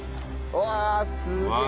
うわっすげえ！